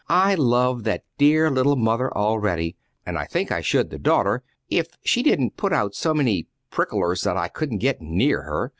I love that dear little mother already, and I think I should the daughter if she didn't put out so many prickers that I couldn't get near her!